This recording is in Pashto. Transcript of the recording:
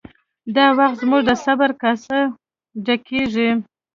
دا وخت زموږ د صبر کاسه ډکیږي